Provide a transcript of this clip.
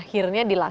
gurunya ada delapan